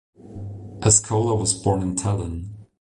Eskola was born in Tallinn.